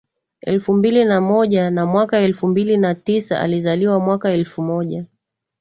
elfu mbili na moja na mwaka elfu mbili na tisaAlizaliwa mwaka elfu moja